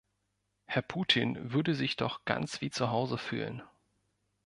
Herr Putin würde sich doch ganz wie zu Hause fühlen.